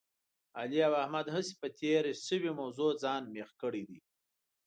علي او احمد هسې په تېره شوې موضوع ځان مېخ کړی دی.